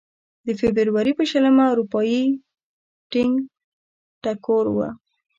د فبروري په شلمه اروپايي ټنګ ټکور و.